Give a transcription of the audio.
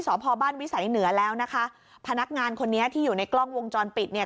สอบพอบ้านวิสัยเหนือแล้วนะคะพนักงานคนนี้ที่อยู่ในกล้องวงจรปิดเนี่ย